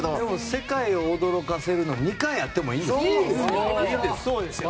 世界を驚かせるの２回あってもいいんですよ。